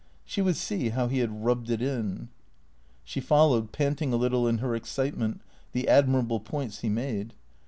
She would see how he had rubbed it in. She followed, panting a little in her excitement, the admir able points he made.